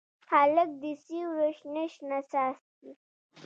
هلک د سیورو شنه، شنه څاڅکي